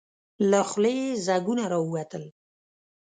له خولې يې ځګونه راووتل.